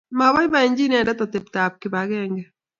maabaibaiji inendet atebtap kibagenge